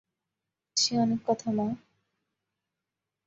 সে অনেক কথা মা।